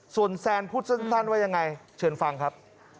ส่วนแซนพูดสั้นว่ายังไงเชิญฟังครับ